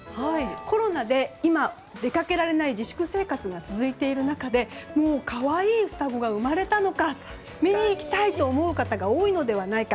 コロナで今、出かけられない自粛生活が続いている中で可愛い双子が生まれたのかと見に行きたいと思う方が多いのではないか。